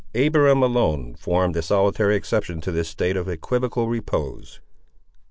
Abiram, alone, formed a solitary exception to this state of equivocal repose.